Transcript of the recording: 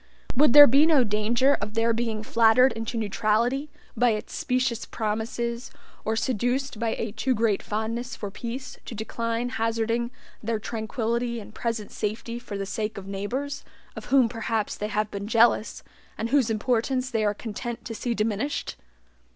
Would there be no danger of their being flattered into neutrality by its specious promises, or seduced by a too great fondness for peace to decline hazarding their tranquillity and present safety for the sake of neighbors, of whom perhaps they have been jealous, and whose importance they are content to see diminished?